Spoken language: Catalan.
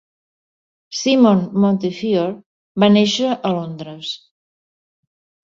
Simon Montefiore va néixer a Londres.